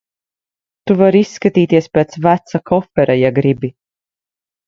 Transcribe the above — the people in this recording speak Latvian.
Tu vari izskatīties pēc veca kofera, ja gribi.